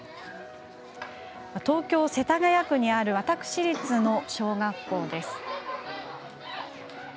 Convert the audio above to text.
東京・世田谷区にある私立の小学校です。